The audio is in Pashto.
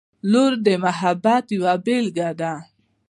• لور د محبت یوه بېلګه ده.